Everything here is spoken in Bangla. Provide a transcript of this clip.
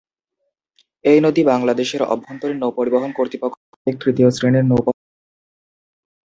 এই নদী বাংলাদেশ অভ্যন্তরীণ নৌপরিবহন কর্তৃপক্ষ কর্তৃক তৃতীয় শ্রেণির নৌপথ হিসেবে স্বীকৃত।